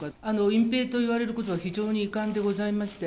隠蔽と言われることは、非常に遺憾でございまして。